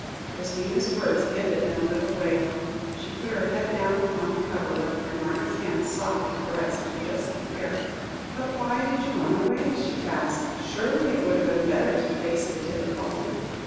Christina's words ended in a little wail; she put her head down upon the coverlet, and Margaret's hands softly caressed her dusky hair. "But why did you run away?" she asked. "Surely it would have been better to face the difficulty?